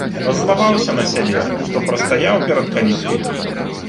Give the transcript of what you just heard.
Раззлаваўся на сябе, што прастаяў перад каліткай.